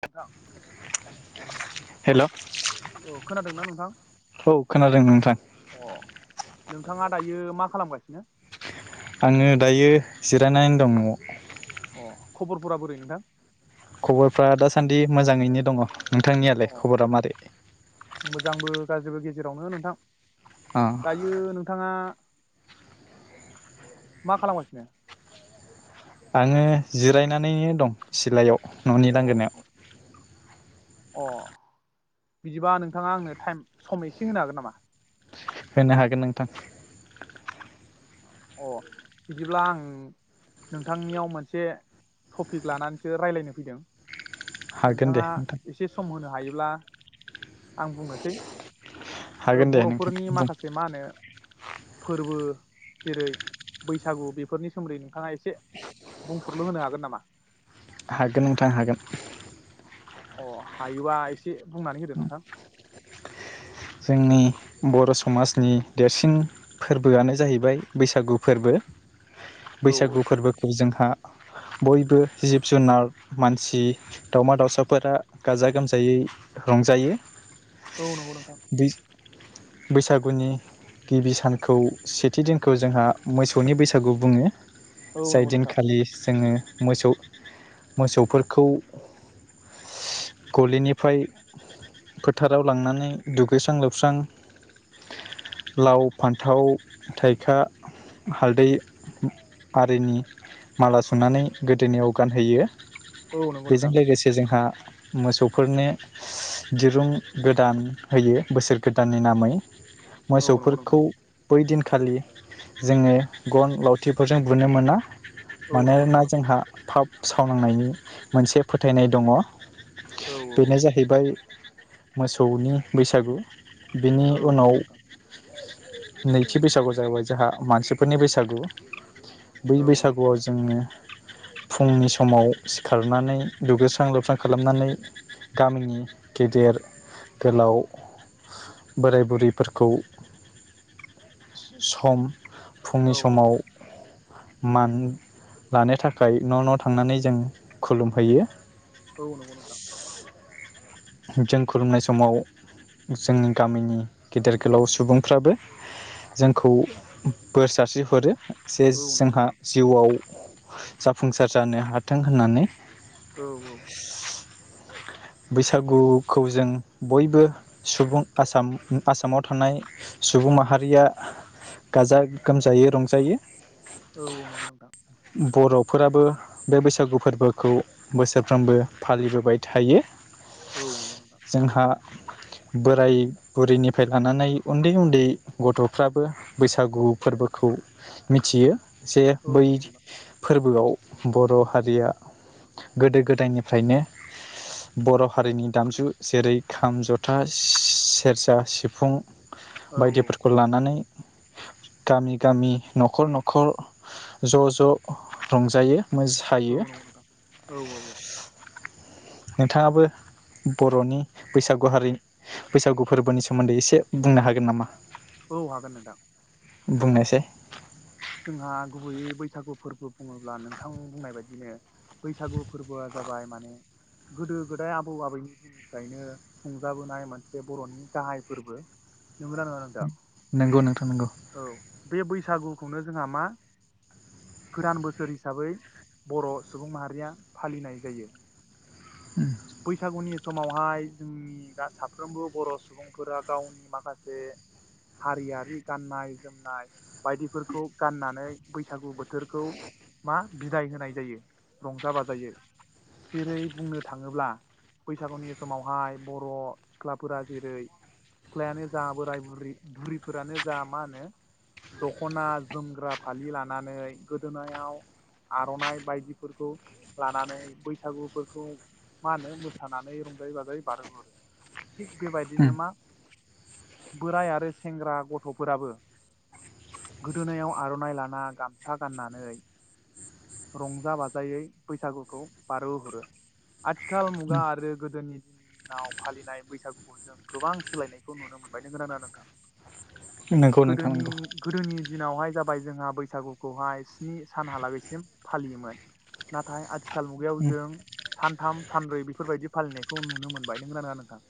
नोंथां। हेल' औ खोनादोंना नोंथां औ खोनादों नोंथां। अ नोंथाङा दायो मा खालामगासिनो? आङो दायो जिरायनानै दं न'आव। अ खबरफोरा बोरै नोंथां? खबरफ्रा दासान्दि मोजाङैनो दङ। अ नोंथांनियालाय खबरा मारै? मोजांबो गाज्रिबो गेजेरावनो नोंथां। अ दायो नोंथाङा। मा खालामगासिनो? आङो जिरायनानैनो दं सिलायाव न'नि अ लांगोनायाव। अ बिदिबा नोंथाङा आंनो टाइम सम एसे होनो हागोन नामा? होनो हागोन नोंथां। अ बिदिब्ला आं नोंथांनियाव मोनसे टपिक लानानैसो रायलायनो फैदों। हागोन दे नोंथाङा नोंथां एसे सम होनो हायोब्ला। आं बुंनोसै। ओ हागोन दे नोंथां बर'फोरनि बुं माखासे मा होनो फोरबो जेरै बैसागु बेफोरनि सोमोन्दै नोंथाङा एसे बुंफोरुरलु होनो हागोन नामा। हागोन नोंथां हागोन। अ हायोबा एसे बुंनानै होदो नोंथां जोंनि बर' समाजनि देरसिन फोरबोआनो जाहैबाय बैसागु फोरबो। औ बैसागु फोरबोखौ जोंहा बयबो जिब जुनार मानसि दावमा दाउसाफोरा गाजा गोमजायै रंजायो औ नंगौ नोंथां बैसागुनि गिबि सानखौ सेथि दिनखौ जोंहा मोसौनि बैसागु बुङो औ जाय नंगौ नोंथां दिनखालि जोङो मोसौ मोसौफोरखौ गलिनिफ्राय फोथाराव लांनानै दुगैस्रां लोबस्रां लाव फान्थाव थाइखा हालदै आरिनि माला सुनानै गोदोनायाव गानहैयो। औ नंगौ बेजों नोंथां लोगोसे जोंहा मोसौफोरनो दिरुं गोदान होयो बोसोर गोदाननि नामै औ नंगौ मोसौफोरखौ। नोंथां बै दिनखालि जोङो गन लावथिफोरजों बुनो मोना औ नंगौ मानोनोना नोंथां जोंहा थाब सावनांनायनि मोनसे फोथायनाय दङ औ बेनो औ जाहैबाय मोसौनि बैसागु बेनि औ उनाव नंगौ नोंथां नैथि बैसागुआव जाहैबाय जोंहा मानसिफोरनि बैसागु औ बै बैसागुआव जोङो फुंनि समाव सिखारनानै दुगैस्रां लोबस्रां खालामनानै गामिनि गेदेर गोलाव बोराय बुरैफोरखौ सम फुंनि औ समाव मान लानो थाखाय न' न' थांनानै जों खुलुमहैयो औ नंगौ नोंथां जों खुलुमनाय समाव जोंनि गामिनि गेदेर गोलाव सुबुंफ्राबो जोंखौ बोर सारस्रि हरो जे औ नंगौ जोंहा नोंथां जिउआव जाफुंसार जानो हाथों होननानै औ औ। बैस बसागुखौ जों बयबो सुबुं आसाम आसामाव थानाय सुबुं माहारिया गाजा गोमजायै रंजायो। औ औ नंगौ नोंथां बर'फोराबो बे बैसागु फोरबोखौ बोसोरफ्रोमबो फालिबोबाय थायो। औ नंगौ नोंथां। जोंहा बोराय बुरैनिफ्राय लानानै उन्दै उन्दै गथ'फ्राबो बैसागु फोरबोखौ मिथियो। जे औ बै नंगौ नोंथां फोरबोआव बर' हारिया गोदो गोदायनिफ्रायनो बर' हारिनि दामजु जेरै खाम, जथा, सेरजा, सिफुं औ औ बायदिफोरखौ लानानै गामि गामि न'खर न'खर ज' ज' रंजायो औ मोसायो। नंगौ नोंथां औ नोंथाङाबो बर'नि बैसागु हारि बैसागु फोरबोनि सोमोन्दै एसे बुंनो हागोन नामा? औ हागोन नोंथां। बुंनायसाय जोंहा गुबैयै बैसागु फोरबो बुङोब्ला नोंथां बुंनाय बायदिनो बैसागु फोरबोआ जाबाय माने गोदो गोदाय आबौ आबैनि दिननिफ्रायनो खुंजाबोनाय मोनसे बर'नि गाहाय फोरबो नोंगौ ना नोङा नोंथां? नोंगौ नोंथां नोंगौ। सागु खौनो जोंहा मा गोदान बोसोर हिसाबै बर' सुबुं माहारिया फालिनाय जायो। [unintelligible] बैसागुनि समावहाय जोंनि दा साफ्रोमबो बर' सुबुंफोरा गावनि माखासे हारियारि गाननाय जोमनाय बायदिफोरखौ गाननानै बैसागु बोथोरखौ मा बिदाय होनाय जायो रंजा बाजायै जेरै बुंनो थाङो ङोब्ला बैसागुनि समावहाय बर' सिख्लाफोरा जेरै सिख्लायानो जा बोराय बुरि बुरिफोरानो जा मा होनो दखना जोमग्रा फालि लानानै गोदोनायाव आर'नाइ बायदिफोरखौ लानानै बैसागुफोरखौ मा होनो मोसानानै रंजायै बाजायै बारहोहरो। थिग बेबायदिनो मा बोराय आरो सेंग्रा गथ'फोराबो गोदोनायाव आर'नाइ लाना गामसा गाननानै रंजा बाजायै बैसागुखौ बारहोहरो। आथिखाल मुगा नंगौ आरो गोदोनि दिनाव फालिनाय बैसागुफोरजों गोबां सोलायनायखौ नुनो मोनबाय नंगौना नङा नोंथां? नोंथां गोदोनि नंगौ गोदोनि दिनावहाय जाबाय जोंहा बैसागुखौहाय स्नि सानहालागैसिम फालियोमोन नाथाय आथि खाल मुगायाव जों सानथाम सानब्रै बेफोरबायदि फालिनायखौ नुनो मोनबाय नोंगो ना नोंथां?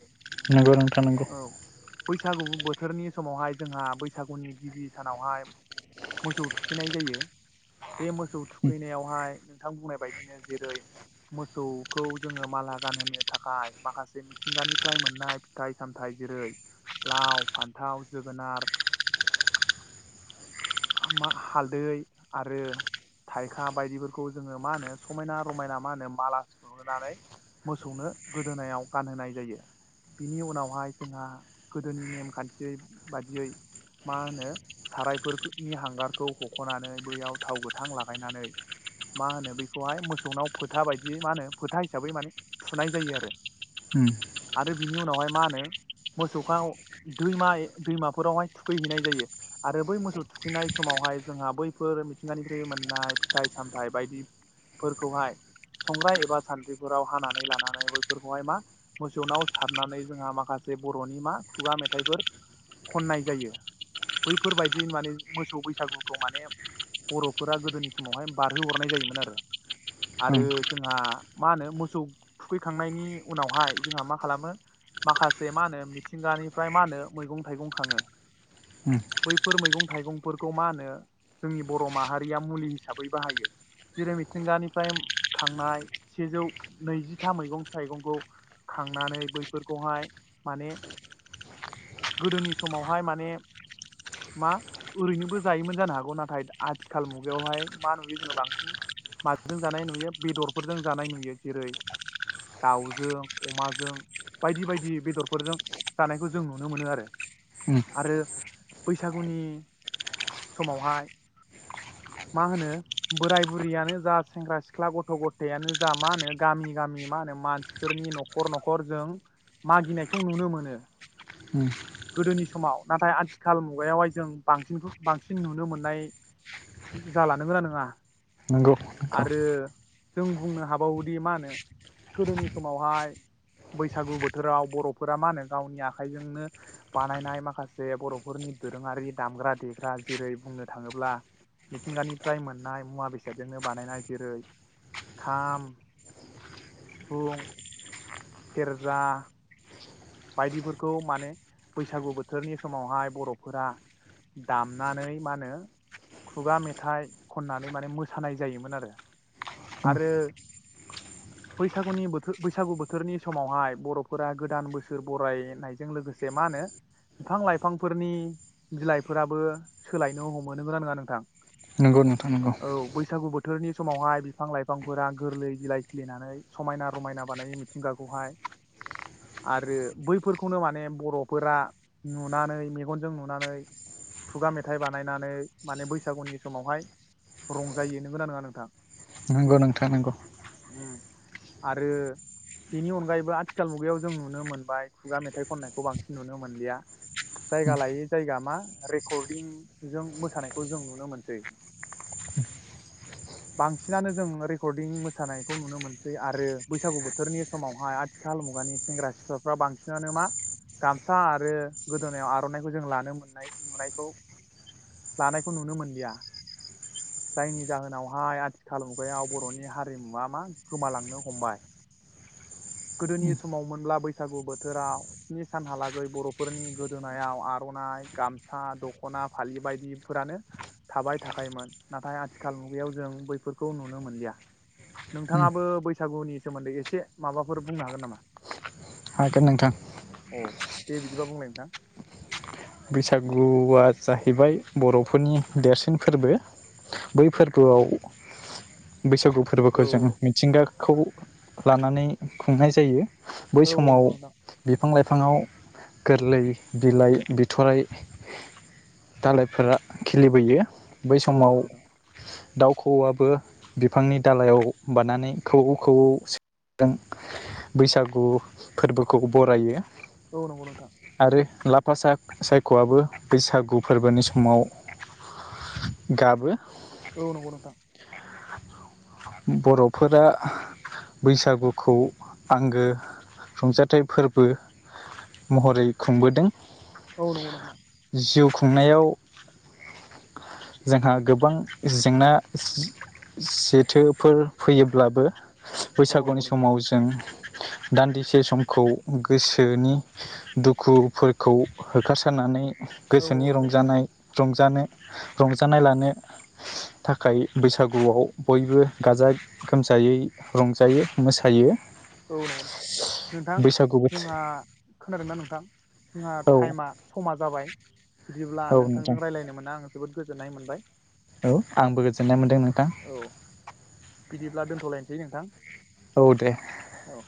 नोंगौ नोंथां नंगौ। औ बैसागु बोथोरनि समावहाय जोंहा बैसागुनि गिबि सानावहाय मोसौ थुखैनाय जायो बे मोसौ थुखैनायावहाय नोंथां बुंनाय बायदिनो जेरै मो जौखौ जोङो माला गानहोनो थाखाय माखासे मिथिंगानिफ्राय मोननाय फिथाइ सामथाइ जेरै लाव, फान्थाव, जोगोनार, हालदै आरो थाइखा बायदिफोरखौ जोङो मा होनो समायना रमायना मा होनो माला सुहोनानै मोसौनो गोदोनायाव गानहोनाय जायो बिनि उनावहाय जोंहा गोदोनि नेमखान्थियै बादियै मा होनो सारायफोरनि हांगारखौ हख'नानै बैयाव थाव गोथां लागायनानै मा होनो बैखौहाय मोसौनाव फोथा बाय दि मा होनो फोथा हिसाबै माने थुनाय जायो आरो नंगौ आरो बिनि उनावहाय मा होनो मोसौखौ दैमा दैमाफोरावहाय थुखैहैनाय जायो आरो बै मोसौ थुखैनाय समावहाय जोंहा बैफोर मिथिंगानिफ्राय मोननाय फिथाइ सामथाइ बायदिफोरखौहाय संग्राय एबा सान्द्रिफोराव हानानै लानानै बैफोरखौहाय मा मोसौनाव सारनानै जोंहा माखासे बर'नि मा खुगा मेथाइफोर खननाय जायो बैफोरबायदि माने मोसौ बैसागुखौ माने बर'फोरा गोदोनि समावहाय बारहोहरनाय जायोमोन आरो आरो जोंहा मा होनो मोसौ थुखैखांनायनि उनावहाय जोंहा मा खालामो माखासे मा होनो मिथिंगानिफ्राय मा होनो मैगं थाइगं खाङो बैफोर मैगं थाइगंफोरखौ मा होनो जोंनि बर' माहारिया मुलि हिसाबै बाहायो जेरै मिथिंगानिफ्राय खांनाय सेजौ नैजिथा मैगं थाइगंखौ खांनानै बैफोरखौहाय माने गोदोनि समावहाय माने मा ओरैनोबो जायोमोन जानो हागौ नाथाय आथिखाल मुगायावहाय मा नुयो जोङो बांसिन माजों जानाय नुयो बेदरफोरजों जानाय नुयो जेरै दाउजों अमाजों बायदि बायदि बेदरफोरजों जानायखौ जों नुनो मोनो आरो आरो बैसागुनि समावहाय मा होनो बोराय बुरैयानो जा सेंग्रा सिख्ला गथ' गथायानो जा मा होनो गामि गामि मा होनो मानसिफोरनि न'खर न'खर जों मागिनायखौ नुनो मोनो गोदोनि समाव नाथाय आथिखाल मुगायावहाय जों बांसिनखौ बांसिन नुनो मोननाय जाला नंगो ना नोङा नंगौ नोंथां नंगौ आरो जों बुंनो हाबावोदि मा होनो गोदोनि समावहाय बैसागु बोथोराव बर'फोरा मा होनो गावनि आखाइजोंनो बानायनाय माखासे बर'फोरनि दोरोङारि दामग्रा देग्रा जेरै बुंनो थाङोब्ला मिथिंगानिफ्राय मोननाय मुवा बेसादजोंनो बानायनाय जेरै खाम, सिफुं, सेरजा बायदिफोरखौ माने बैसागु बोथोरनि समावहाय बर'फोरा दामनानै मा होनो खुगा मेथाइ खननानै माने मोसानाय जायोमोन आरो आरो बैसागुनि बोथोर बैसागु बोथोरनि समावहाय बर'फोरा गोदान बो सोर बरायनायजों लोगोसे मा होनो बिफां लाइफांफोरनि बिलाइफोराबो सोलायनो हमो नोंगोना नोङा नोंथां? नंगौ नोंथां नंगौ। थोरनि समावहाय बिफां लाइफांफोरा गोरलै बिलाइ खिलिनानै समायना रमायना बानायै मिथिंगाखौहाय आरो बैफोरखौनो माने बर'फोरा नुनानै मेगनजों नुनानै खुगा मेथाइ बानायनानै माने बैसागुनि समावहाय रंजायो नंगौ ना नङा नोंथां? नंगौ नोंथां नंगौ। उम आरो बिनि अनगायैबो आथिखाल मुगायाव जों नुनो मोनबाय खुगा मेथाइ खननायखौ बांसिन नुनो मोनलिया। जायगा लायै जायगा मा रेकर्दिं जों मोसानायखौ जों नुनो मोनसै। बांसिनानो जों रेकर्दिं मोसानायखौ नुनो मोनसै आरो बैसागु बोथोरनि समावहााय आथिखाल मुगानि सेंग्रा सिख्लाफ्रा बांसिनानो मा गामसा आरो गोदोनायाव आर'नाइखौ जों लानो मोननाय नुनायखौ लानायखौ नुनो मोनलिया। जायनि जाहोनावहाय आथिखाल मुगायाव बर'नि हारिमुवा मा गोमालांनो हमबाय। गोदोनि समाव मोनब्ला बैसागु बोथोराव स्नि सानहालागै बर'फोरनि गोदोनायाव आर'नाइ गामसा दख'ना फालि बायदिफोरानो थाबाय थाखायोमोन। नाथाय आथिखाल मुगायाव जों बैफोरखौ नुनो मोनलिया। नोंथाङाबो बैसागुनि सोमोन्दै एसे माबाफोर बुंनो हागोन नामा? हागोन नोंथां। औ दे बिदिबा बुंलाय नोंथां। बैसागुआ जाहैबाय बर'फोरनि देरसिन फोरबो बै फोरबोआव बैसागु औ फोरबोखौ जों मिथिंगा खौ लानानै खुंनाय जायो। बै औ औ समाव नंगौ नोंथां बे फां लाइफांङाव गोरलै बिलाइ बि थ'राय दालायफोरा खिलिबोयो। बै औ समाव नंगौ नोंथां दाउ खौवौआबो बिफांनि दालायाव बानानै खौवौ खौवौ सोदोबजों बैसागु फोरबोखौ बरायो। औ नंगौ नोंथां। फासाख सायख'आबो बैसागु फोरबोनि समाव गाबो। औ नोंगौ नोंथां। बर'फोरा बैसागुखौ आंगो रंजाथाइ फोरबो महरै खुंबोदों। औ नंगौ नोंथां जिउ खुंनायाव जोंहा गोबां जेंना जेथो फोर फैयोब्लाबो औ बैसागुनि नंगौ नोंथां समाव जों दान्दिसे समखौ गोसोनि दुखुफोरखौ होखारसारनानै औ गोसोनि नंगौ नोंथां रंजानाय रं जानो रंजानाय लानो थाखाय बैसागुआव बयबो गाजा गोमजायै रंजायो मोसायो। औ नंगौ नोंथां। नोंथां बैसागु बोथोर जोंहा खोनादों ना नों थां जोंहा औ थाइमा समा जाबाय। बिदिब्ला औ नोंथां नोंथांजों रायलायनो मोनना आं जोबोद गोजोननाय मोनबाय। औ आंबो गोजोननाय मोनदों नोंथां। औ बिदिब्ला दोन्थ'लायनोसै नोंथां। औ दे। औ